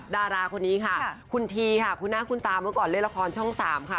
ดาราคนนี้ค่ะคุณทีค่ะคุณหน้าคุณตาเมื่อก่อนเล่นละครช่อง๓ค่ะ